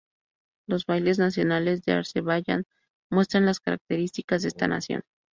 Los bailes nacionales de Azerbaiyán muestran las características de esta nación.